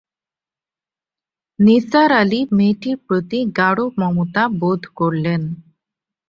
নিসার আলি মেয়েটির প্রতি গাঢ় মমতা বোধ করলেন।